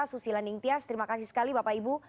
susi leningtyas terima kasih sekali bapak ibu